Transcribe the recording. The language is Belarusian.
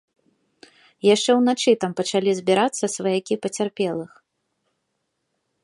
Яшчэ ўначы там пачалі збірацца сваякі пацярпелых.